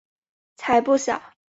才不小！